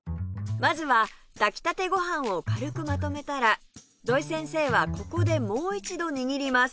まずは炊きたてご飯を軽くまとめたら土井先生はここでもう一度握ります